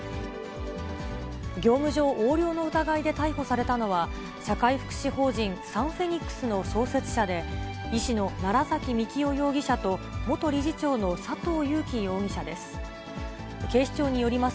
業務上横領の疑いで逮捕されたのは、社会福祉法人サンフェニックスの創設者で、医師の楢崎幹雄容疑者と、元理事長の佐藤裕紀容疑者です。